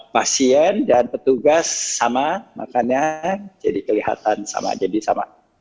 pasien dan petugas sama makannya jadi kelihatan sama jadi sama